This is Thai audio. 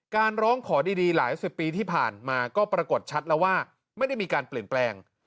ร้องขอดีหลายสิบปีที่ผ่านมาก็ปรากฏชัดแล้วว่าไม่ได้มีการเปลี่ยนแปลง